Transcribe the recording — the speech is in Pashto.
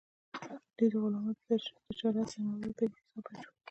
دوی د غلامانو د تجارت له ناوړه پدیدې څخه بچ وو.